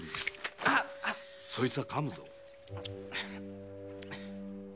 あっ「そいつは噛むぞ」